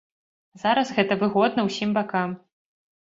Зараз гэта выгодна ўсім бакам.